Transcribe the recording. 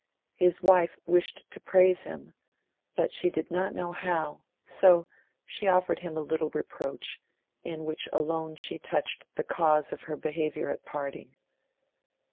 His wife wished to praise him, but she did not know how; so she offered him a little reproach, in which alone she touched the cause of her behaviour at parting.